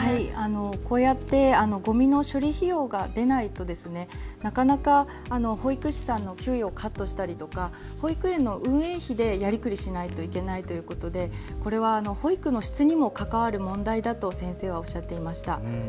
こうやってごみの処理費用が出ないとなかなか、保育士さんの給与をカットしたりとか、保育園の運営費でやりくりしないといけないということで、これは保育の質にも関わる問題だと先生はおっしゃっていました。